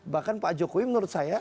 bahkan pak jokowi menurut saya